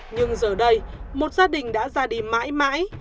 nhưng giờ đây một gia đình đã ra đi mãi mãi